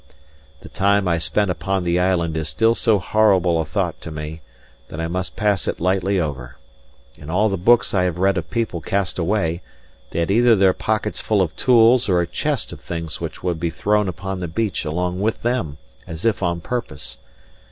The time I spent upon the island is still so horrible a thought to me, that I must pass it lightly over. In all the books I have read of people cast away, they had either their pockets full of tools, or a chest of things would be thrown upon the beach along with them, as if on purpose.